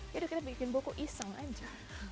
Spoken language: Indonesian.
yaudah kita bikin buku iseng aja